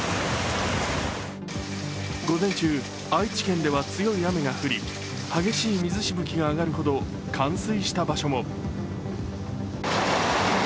午前中、愛知県では強い雨が降り、激しい水しぶきが上がるほど冠水した場所も。